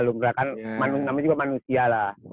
lu merakan namanya juga manusia lah